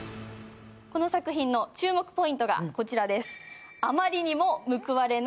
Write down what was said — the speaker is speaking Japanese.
この作品の注目ポイントがこちらです。